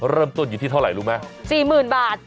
เริ่มต้นอยู่ที่เท่าไหร่รู้ไหม๔๐๐๐บาท